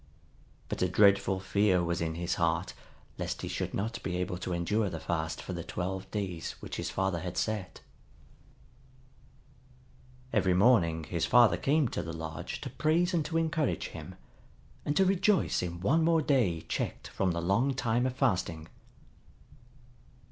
But a dreadful fear was in his heart lest he should not be able to endure the fast for the twelve days which his father had set. Every morning his father came to the lodge to praise and to encourage him, and to rejoice in one more day checked from the long time of fasting.